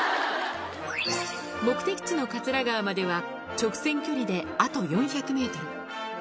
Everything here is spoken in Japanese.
目的地の桂川までは、直線距離であと４００メートル。